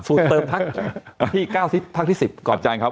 สูตรเติมพักที่ก้าวที่พักที่สิบก่อนอาจารย์ครับ